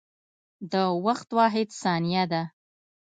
د وخت واحد ثانیه ده.